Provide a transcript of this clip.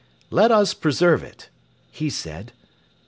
"Let us preserve it," he said.